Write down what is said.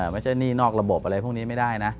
ไม่ใช่หนี้นอกระบบอะไรพวกนี้ไม่ได้นะ